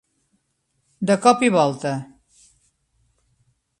De cop i volta.